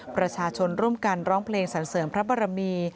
ประชาชนร่วมกันร้องเพลงสรรเสริมพระบรมี